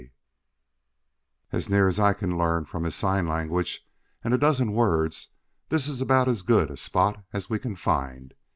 K. "As near as I can learn from his sign language and a dozen words, this is about as good a spot as we can find.